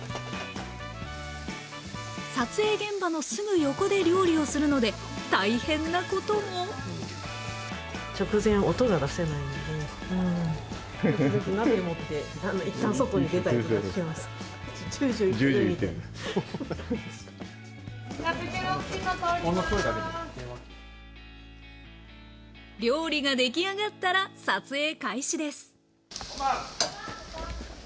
撮影現場のすぐ横で料理をするので大変なことも料理が出来上がったら撮影開始です